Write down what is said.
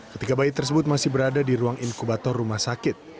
ketiga bayi tersebut masih berada di ruang inkubator rumah sakit